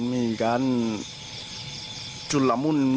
มีการจุลหลามุ่น